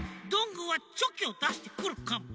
ぐーはチョキをだしてくるかも。